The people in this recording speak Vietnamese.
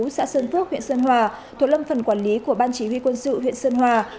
xã sơn phước huyện sơn hòa thuộc lâm phần quản lý của ban chỉ huy quân sự huyện sơn hòa